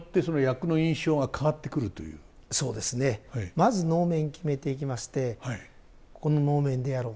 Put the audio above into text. まず能面決めていきましてこの能面でやろう。